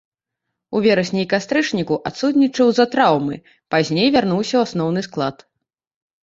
У верасні і кастрычніку адсутнічаў з-за траўмы, пазней вярнуўся ў асноўны склад.